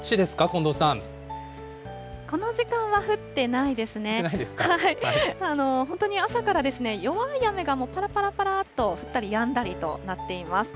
本当に朝から弱い雨がぱらぱらぱらっと、降ったりやんだりとなっています。